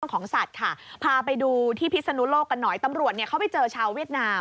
ของสัตว์ค่ะพาไปดูที่พิศนุโลกกันหน่อยตำรวจเนี่ยเขาไปเจอชาวเวียดนาม